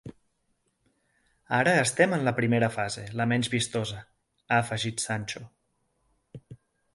Ara estem en la primera fase, la menys vistosa –ha afegit Sancho–.